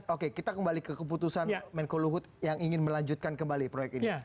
oke kita kembali ke keputusan menko luhut yang ingin melanjutkan kembali proyek ini